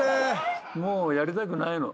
もうやりたくないの。